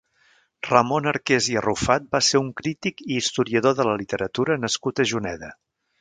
Ramon Arqués i Arrufat va ser un «Crític i historiador de la literatura» nascut a Juneda.